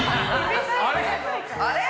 あれ？